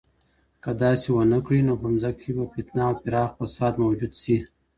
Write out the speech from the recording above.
که داسي ونکړئ، نو په مځکه کي به فتنه او پراخ فساد موجودسي.